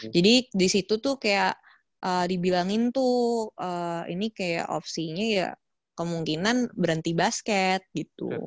disitu tuh kayak dibilangin tuh ini kayak opsinya ya kemungkinan berhenti basket gitu